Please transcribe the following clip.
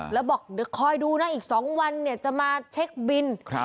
แล้วบอกคอยดูนะอีก๒วันเนี่ยจะมาเช็คบิน